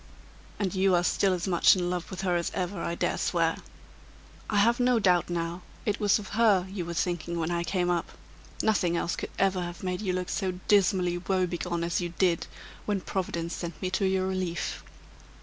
"And you are still as much in love with her as ever, I dare swear! I have no doubt, now, it was of her you were thinking when I came up. Nothing else could ever have made you look so dismally woebegone as you did, when Providence sent me to your relief."